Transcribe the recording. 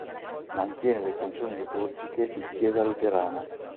Mantiene le funzioni liturgiche di chiesa luterana.